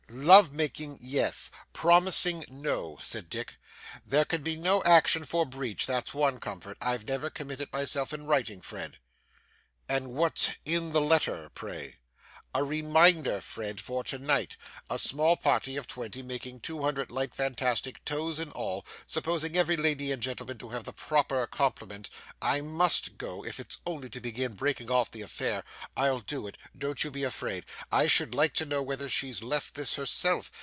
'Love making, yes. Promising, no,' said Dick. 'There can be no action for breach, that's one comfort. I've never committed myself in writing, Fred.' 'And what's in the letter, pray?' 'A reminder, Fred, for to night a small party of twenty, making two hundred light fantastic toes in all, supposing every lady and gentleman to have the proper complement. I must go, if it's only to begin breaking off the affair I'll do it, don't you be afraid. I should like to know whether she left this herself.